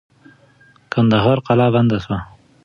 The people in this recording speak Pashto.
کندهار قلابند سو.